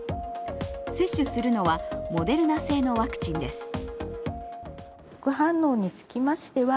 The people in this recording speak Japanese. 接種するのはモデルナ製のワクチンです。